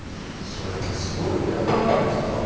それはすごいお役目なのですか？